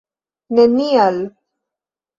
nenial